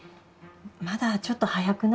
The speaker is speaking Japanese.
まだちょっと早くない？